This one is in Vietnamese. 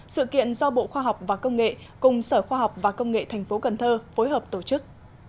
sự kiện do bộ khoa học và công nghệ cùng sở khoa học và công nghệ thành phố cần thơ phối hợp tổ chức